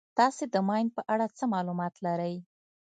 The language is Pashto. تاسې د ماین په اړه څه معلومات لرئ.